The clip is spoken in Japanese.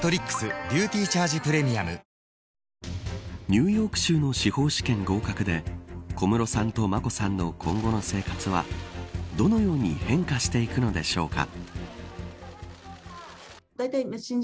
ニューヨーク州の司法試験合格で小室さんと眞子さんの今後の生活はどのように変化していくのでしょうか。